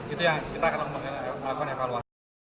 itu yang kita akan melakukan evaluasi